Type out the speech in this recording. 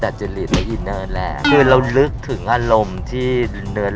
แม่แบบคิดมุกสักไหนครับแบบหลายแบบ